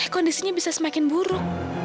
kondisinya bisa semakin buruk